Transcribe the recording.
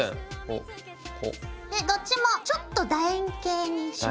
でどっちもちょっとだ円形にします。